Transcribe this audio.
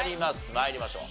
参りましょう。